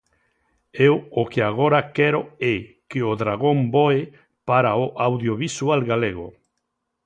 Eu o que agora quero é que o dragón voe para o audiovisual galego.